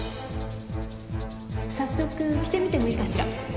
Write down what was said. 早速着てみてもいいかしら？